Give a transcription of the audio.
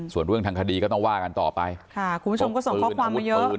ส่วนเรื่องทางคดีก็ต้องว่ากันต่อไปค่ะคุณผู้ชมก็ส่งข้อความมาเยอะ